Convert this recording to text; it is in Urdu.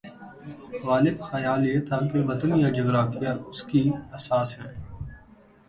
غالب خیال یہ تھا کہ وطن یا جغرافیہ اس کی اساس ہے۔